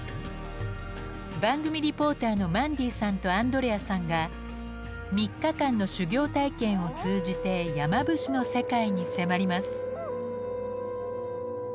番組リポーターのマンディさんとアンドレアさんが３日間の修行体験を通じて山伏の世界に迫ります。